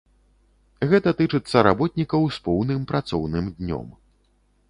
Гэта тычыцца работнікаў з поўным працоўным днём.